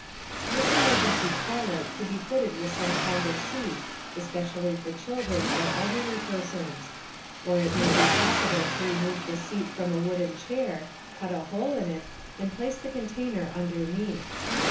This emergency toilet could be fitted with some kind of seat, especially for children or elderly persons. Or it may be possible to remove the seat from a wooden chair, cut a hole in it, and place the container underneath.